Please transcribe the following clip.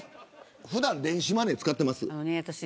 普段電子マネー使ってますか。